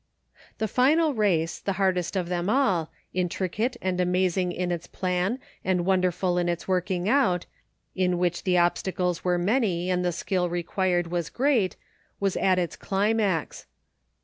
The final race, the hardest of them all, intricate and amazing in its plan and wonderful in its working out, in which the obstacles were many and the skill required was great, was at its climax.